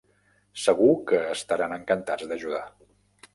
Segur que estaran encantats d'ajudar.